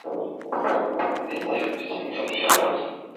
دې ربات ته بې اختیاره یم راغلی؛